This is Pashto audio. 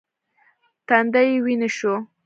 تندی یې ویني شو .